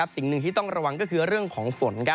สิ่งหนึ่งที่ต้องระวังก็คือเรื่องของฝน